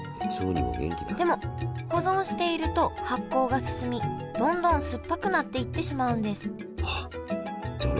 でも保存していると発酵が進みどんどん酸っぱくなっていってしまうんですあっじゃ